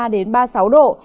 ba mươi ba đến ba mươi sáu độ